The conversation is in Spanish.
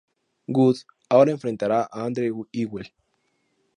Wood ahora enfrentará a Andre Ewell.